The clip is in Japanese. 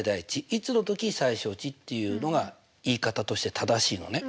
いつのとき最小値っていうのが言い方として正しいのね。